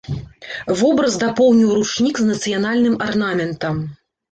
Вобраз дапоўніў ручнік з нацыянальным арнаментам.